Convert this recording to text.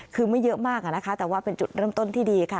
คือไม่เยอะมากอะนะคะแต่ว่าเป็นจุดเริ่มต้นที่ดีค่ะ